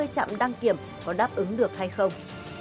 hai trăm tám mươi chặng đăng kiểm có đáp ứng được hay không